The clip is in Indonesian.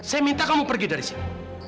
saya minta kamu pergi dari sini